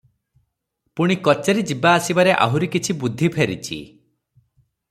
ପୁଣି କଚେରି ଯିବା ଆସିବାରେ ଆହୁରି କିଛି ବୁଦ୍ଧି ଫେରିଛି ।